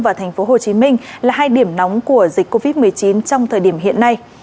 và thành phố hồ chí minh là hai điểm nóng của dịch covid một mươi chín trong thời điểm hiện nay